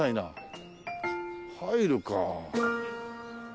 入るか。